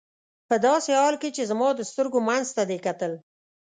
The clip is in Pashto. په داسې حال کې چې زما د سترګو منځ ته دې کتل.